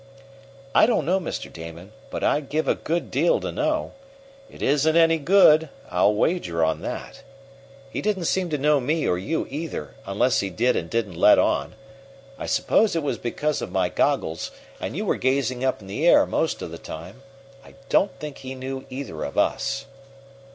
"I don't know, Mr. Damon, but I'd give a good deal to know. It isn't any good, I'll wager on that. He didn't seem to know me or you, either unless he did and didn't let on. I suppose it was because of my goggles and you were gazing up in the air most of the time. I don't think he knew either of us."